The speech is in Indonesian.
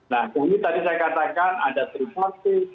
nah ini tadi saya katakan ada triparti